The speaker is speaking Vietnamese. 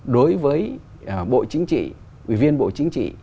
đối với bộ chính trị ủy viên bộ chính trị